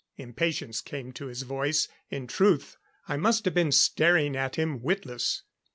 Impatience came to his voice; in truth, I must have been staring at him witless.